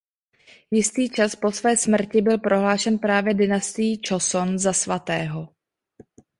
Jistý čas po své smrti byl prohlášen právě dynastií Čoson za „svatého“.